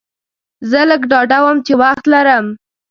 زه لږ ډاډه وم چې وخت لرم.